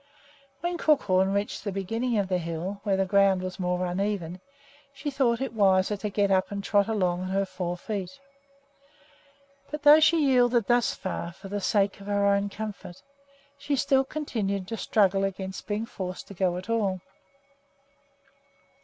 When Crookhorn reached the beginning of the hill, where the ground was more uneven, she thought it wiser to get up and trot along on her four feet; but although she yielded thus far for the sake of her own comfort, she still continued to struggle against being forced to go at all.